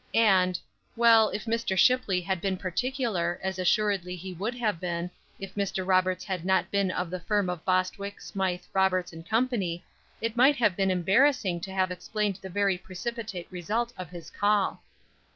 And well, if Mr. Shipley had been particular, as assuredly he would have been, if Mr. Roberts had not been of the firm of Bostwick, Smythe, Roberts & Co. it might have been embarrassing to have explained the very precipitate result of his call.